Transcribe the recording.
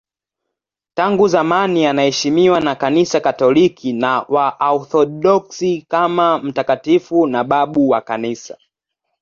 Tangu zamani anaheshimiwa na Kanisa Katoliki na Waorthodoksi kama mtakatifu na babu wa Kanisa.